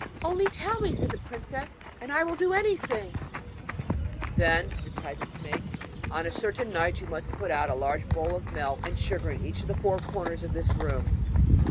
'Only tell me,' said the princess, 'and I will do anything!' 'Then,' replied the snake, 'on a certain night you must put a large bowl of milk and sugar in each of the four corners of this room.